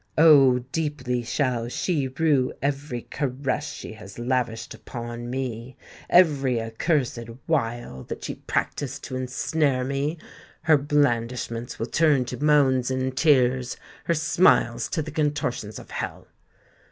Oh! deeply shall she rue every caress she has lavished upon me—every accursed wile that she practised to ensnare me! Her blandishments will turn to moans and tears—her smiles to the contortions of hell.